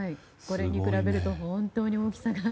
これに比べると本当に大きさが。